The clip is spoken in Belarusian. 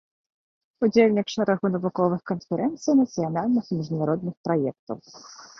Удзельнік шэрагу навуковых канферэнцый, нацыянальных і міжнародных праектаў.